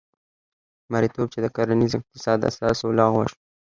مریتوب چې د کرنیز اقتصاد اساس و لغوه شو.